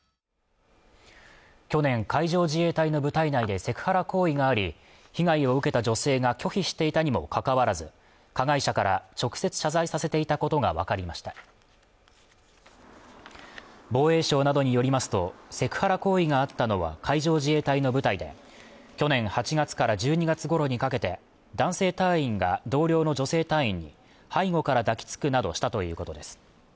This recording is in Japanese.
去年海上自衛隊の部隊内でセクハラ行為があり被害を受けた女性が拒否していたにもかかわらず加害者から直接謝罪させていたことが分かりました防衛省などによりますとセクハラ行為があったのは海上自衛隊の部隊で去年８月から１２月頃にかけて男性隊員が同僚の女性隊員に背後から抱きつくなどしたということです